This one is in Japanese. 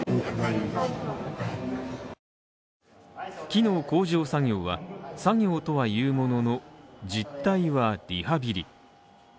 機能向上作業は、作業とはいうものの、実態はリハビリ。